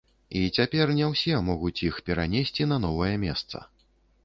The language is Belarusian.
І цяпер не ўсе могуць іх перанесці на новае месца.